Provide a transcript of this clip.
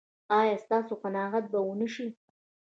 ایا ستاسو قناعت به و نه شي؟